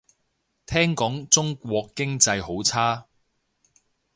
聽講中國經濟好差